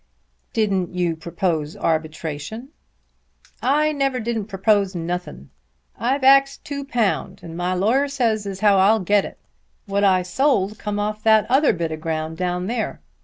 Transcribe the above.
"Didn't you propose arbitration?" "I never didn't propose nothin'. I've axed two pound, and my lawyer says as how I'll get it. What I sold come off that other bit of ground down there.